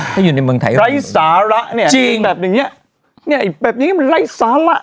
ถ้าอยู่ในเมืองไทยหรอจริงจริงแบบนี้เนี่ยไอ้แบบนี้มันไร้สาระ